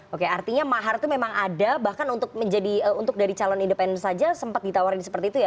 oke artinya mahar itu memang ada bahkan untuk menjadi untuk dari calon independen saja sempat ditawarin seperti itu ya